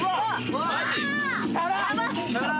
チャラ！